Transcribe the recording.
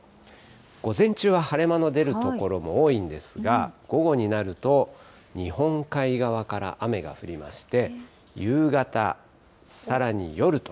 午前中は晴れ間の出る所も多いんですが、午後になると、日本海側から雨が降りまして、夕方、さらに夜と。